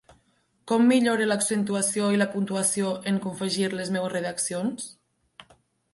Com millore l’accentuació i la puntuació en confegir les meues redaccions?